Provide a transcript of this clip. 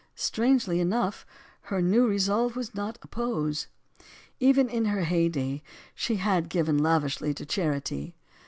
Strangely enough, her new resolve was not a pose. Even in her heyday she had given lavishly to char ity.